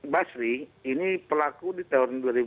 basri ini pelaku di tahun dua ribu dua